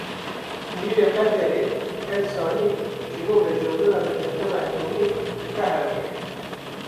Mîrê Qeterê El Sanî ji bo vejandina rêkeftina etomî li Tehranê ye.